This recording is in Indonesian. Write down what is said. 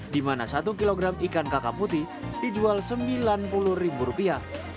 dimana satu kilogram ikan kakaputi dijual sembilan puluh rupiah